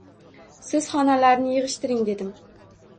Siz xonalarni yig`ishtiring, dedim